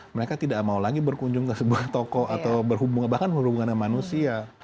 mereka tidak mau lagi berkunjung ke sebuah toko atau bahkan berhubungan dengan manusia